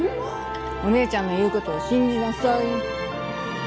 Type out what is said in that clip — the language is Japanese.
お姉ちゃんの言うことを信じなさい。